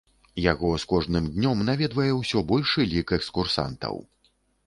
Яго з кожным днём наведвае ўсё большы лік экскурсантаў.